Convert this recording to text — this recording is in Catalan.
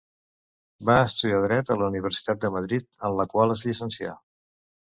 Va estudiar dret a la Universitat de Madrid, en la qual es llicencià.